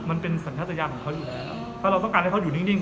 มันเป็นสัญชาติยานของเขาอยู่แล้วถ้าเราต้องการให้เขาอยู่นิ่ง